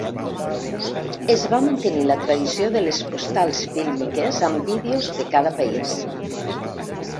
Es va mantenir la tradició de les postals fílmiques amb vídeos de cada país.